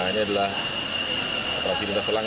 ini adalah operasi lintas elang dua puluh